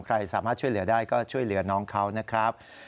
ใครสามารถช่วยเหลือได้ก็ช่วยเหลือน้องเขานะครับ